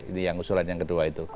ini yang usulan yang kedua itu